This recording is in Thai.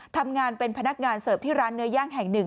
ทำงานเป็นพนักงานเสิร์ฟที่ร้านเนื้อย่างแห่งหนึ่ง